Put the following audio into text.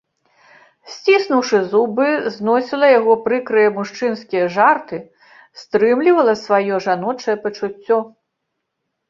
Сціснуўшы зубы зносіла яго прыкрыя мужчынскія жарты, стрымлівала сваё жаночае пачуццё.